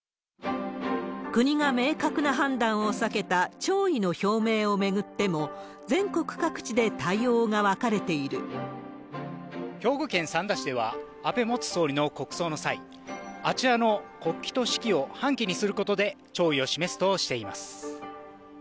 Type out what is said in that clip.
国が明確な判断を避けた弔意の表明を巡っても、全国各地で対兵庫県三田市では、安倍元総理の国葬の際、あちらの国旗と市旗を半旗にすることで、弔意を示すとしています。